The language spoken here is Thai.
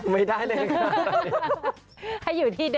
ไม่ได้เลยค่ะ